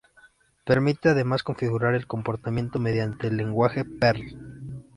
Permite además configurar el comportamiento mediante el lenguaje Perl.